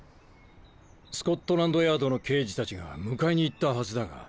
スコットランドヤードの刑事たちが迎えに行ったはずだが。